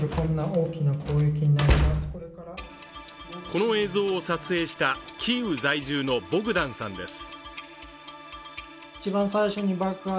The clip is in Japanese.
この映像を撮影したキーウ在住のボグダンさんです。